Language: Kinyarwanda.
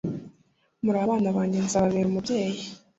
murabana bange nzababera umubyeyi."